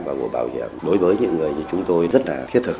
và của bảo hiểm đối với những người như chúng tôi rất là thiết thực